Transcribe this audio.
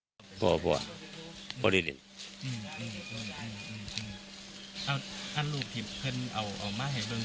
อ้าวรูปเก่งเอาเอามาให้ต้องขอโทษเกี่ยวกับผมตามคราม